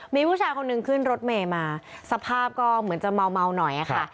มีผู้ชายคนหนึ่งขึ้นรถเมย์มาสภาพก็เหมือนจะเมาหน่อยค่ะ